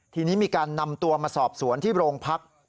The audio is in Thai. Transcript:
ทีนี้มีการนำตัวมาสอบสวนที่โรงพัก